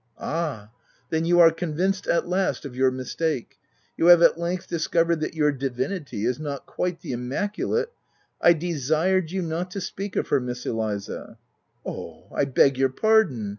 " Ah ! then you are convinced at last, of your mistake — you have at length discovered that your divinity is not quite the immaculate — y "I desired you not to speak of her, Miss Eliza." OF WILDFELL HALL.. 231 " Oh, I beg your pardon